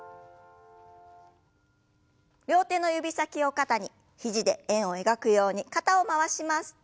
両手の指先を肩に肘で円を描くように肩を回します。